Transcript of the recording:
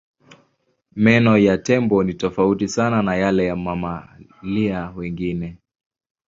Meno ya tembo ni tofauti sana na yale ya mamalia wengine.